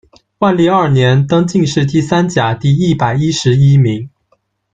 万历二年，登进士第三甲第一百一十一名。